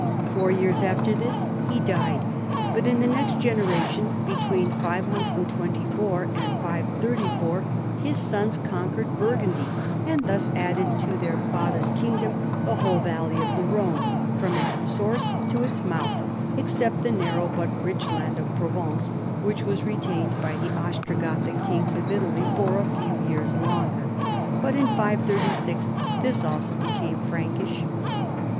Four years after this he died, but in the next generation, between 524 and 534, his sons con quered Burgundy, and thus added to their father's kingdom the whole valley of the Rhone from its source to its mouth, except the narrow but rich land of Provence, which was retained by the Ostrogoth ic kings of Italy for a few years longer, but in 536 this also became Prankish.